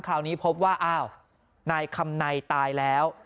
คราวนี้พบว่าอ้าวนายคำในตายแล้ว